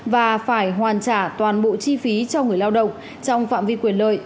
và phải hoàn trả toàn bộ chi phí cho người lao động trong phạm vi quyền lợi